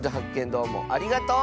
どうもありがとう！